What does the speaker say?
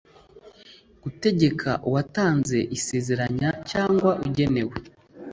gutegeka uwatanze isezeranya cyangwa ugenewe